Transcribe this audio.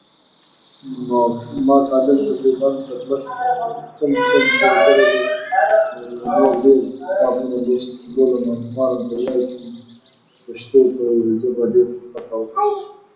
He is a Doctor of Letters from the University of Melbourne.